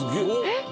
えっ⁉